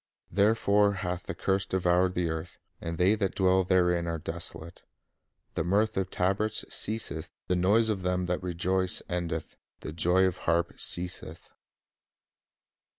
Therefore hath the curse devoured the earth, and they that dwell therein are desolate. ... The mirth of tabrets ceaseth, the noise of them that rejoice endeth, the joy of the harp ceaseth."